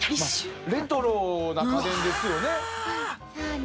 レトロな家電ですよね。